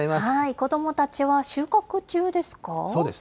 子どもたちは収穫中ですか。